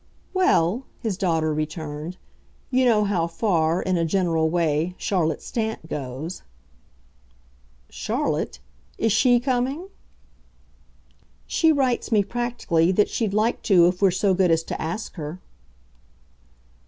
"Well," his daughter returned, "you know how far, in a general way, Charlotte Stant goes." "Charlotte? Is SHE coming?" "She writes me, practically, that she'd like to if we're so good as to ask her."